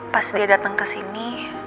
pas dia dateng kesini